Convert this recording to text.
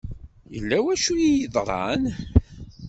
Yella wacu i d-yeḍran.